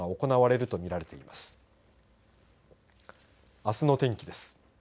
あすの天気です。